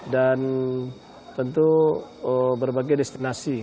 dan tentu berbagai destinasi